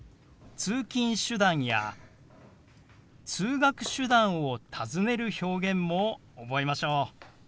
通勤手段や通学手段を尋ねる表現も覚えましょう。